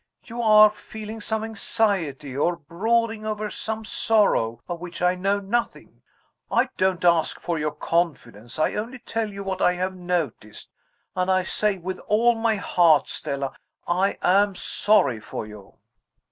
You are feeling some anxiety, or brooding over some sorrow, of which I know nothing. I don't ask for your confidence; I only tell you what I have noticed and I say with all my heart, Stella, I am sorry for you."